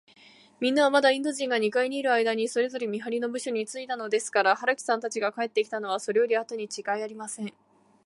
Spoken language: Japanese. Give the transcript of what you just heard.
みんなは、まだインド人が二階にいるあいだに、それぞれ見はりの部署についたのですから、春木さんが帰ってきたのは、それよりあとにちがいありません。